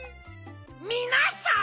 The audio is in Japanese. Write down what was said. みなさん！